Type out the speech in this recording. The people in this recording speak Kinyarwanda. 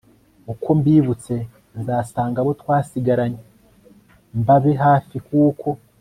uko mbibutse nzasanga abo twasigaranye mbabe hafi kuko